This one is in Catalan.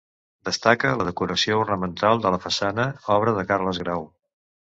Destaca la decoració ornamental de la façana, obra de Carles Grau.